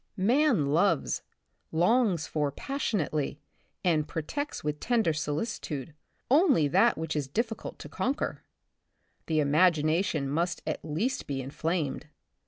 Man loves, longs for passionately and protects with tender solicitude only that which is difficult to con quer. The imagination must at least be in flamed.